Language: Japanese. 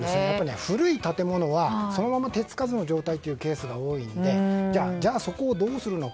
古い建物はそのまま手付かずの状態というケースが多いのでじゃあ、そこをどうするのか。